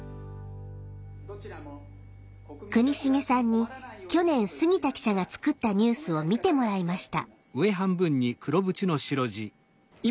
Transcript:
国重さんに去年杉田記者が作ったニュースを見てもらいました。